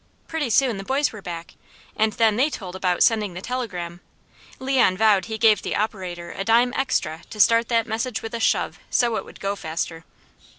Pretty soon the boys were back, and then they told about sending the telegram. Leon vowed he gave the operator a dime extra to start that message with a shove, so it would go faster.